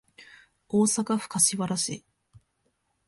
大阪府柏原市